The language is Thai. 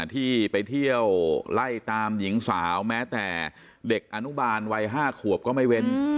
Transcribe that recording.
ที่ไปเที่ยวไล่ตามหญิงสาวแม้แต่เด็กอนุบาลวัย๕ขวบก็ไม่เว้น